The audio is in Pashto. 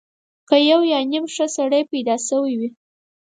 که یو یا نیم ښه سړی پیدا شوی وي.